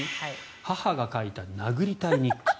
母が書いた、殴りたい日記。